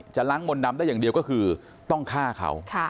ล้างมนต์ดำได้อย่างเดียวก็คือต้องฆ่าเขา